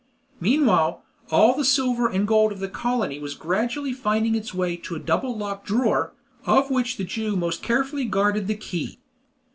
Meanwhile, all the silver and gold of the colony was gradually finding its way to a double locked drawer, of which the Jew most carefully guarded the key.